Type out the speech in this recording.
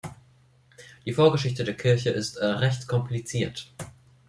Die Vorgeschichte der Kirche ist recht kompliziert.